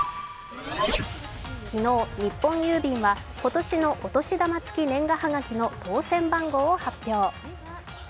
昨日、日本郵便は今年のお年玉付年賀はがきの当選番号を発表。